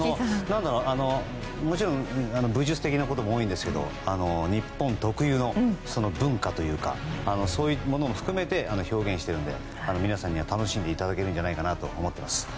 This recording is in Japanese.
もちろん武術的なことも多いんですけど日本特有の文化というかそういうものを含めて表現しているので、皆さんには楽しんでいただけるんじゃないかと思っています。